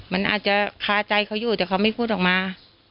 มันอาจจะคาใจเขาอยู่แต่เขาไม่พูดออกมา